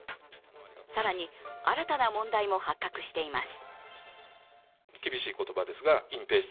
更に、新たな問題も発覚しています